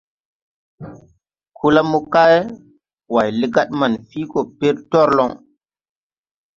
Ko la mokay, Way legad manfii gɔ pɛl torloŋ.